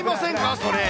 それ。